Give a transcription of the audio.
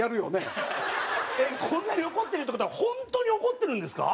こんなに怒ってるって事は本当に怒ってるんですか？